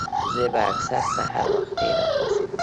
زۀ به اکثر سحر وختي راپاسېدم